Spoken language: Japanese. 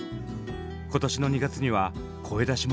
今年の２月には声出しも解禁に。